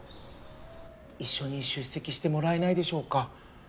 一緒に出席してもらえないでしょうか？